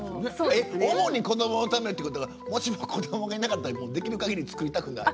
えっ主に子どものためってことはもしも子どもがいなかったらできるかぎり作りたくない？